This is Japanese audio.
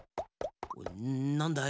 なんだい？